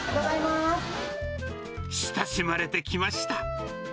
親しまれてきました。